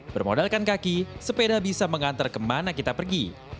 bermodalkan kaki sepeda bisa mengantar kemana kita pergi